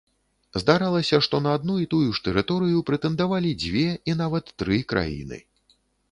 Здаралася, што на адну і тую ж тэрыторыю прэтэндавалі дзве і нават тры краіны.